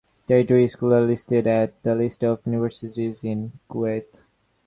Tertiary schools are listed at the list of universities in Kuwait.